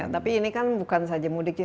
tapi ini kan bukan saja mudiknya